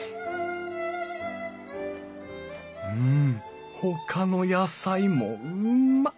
うんほかの野菜もうんま！